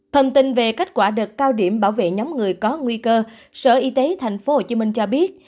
thông tin về kết quả đợt cao điểm bảo vệ nhóm người có nguy cơ sở y tế tp hcm cho biết